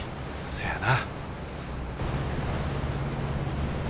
せやな。